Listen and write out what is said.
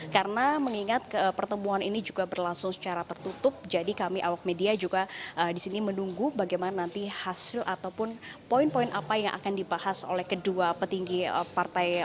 karena mengingat pertemuan ini juga berlangsung secara tertutup jadi kami awak media juga disini menunggu bagaimana nanti hasil ataupun poin poin apa yang akan dibahas oleh kedua petinggi partai